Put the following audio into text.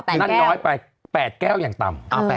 นั่นน้อยไป๘แก้วอย่างต่ำ